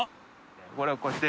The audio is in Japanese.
これをこうやって。